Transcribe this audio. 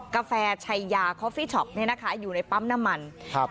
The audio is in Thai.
กาแฟชัยยาคอฟฟี่ช็อปเนี่ยนะคะอยู่ในปั๊มน้ำมันครับ